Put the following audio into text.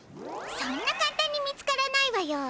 そんなかんたんに見つからないわよ。